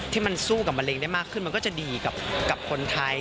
ที่มันสู้กับมะเร็งได้มากขึ้นมันก็จะดีกับคนไทย